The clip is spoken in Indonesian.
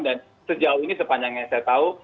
dan sejauh ini sepanjangnya saya tahu